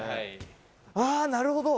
あー、なるほど。